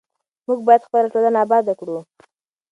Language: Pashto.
موږ باید خپله ټولنه اباده کړو.